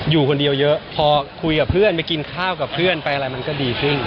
อยู่คนเดียวเยอะพอคุยกับเพื่อนไปกินข้าวกับเพื่อนไปอะไรมันก็ดีขึ้น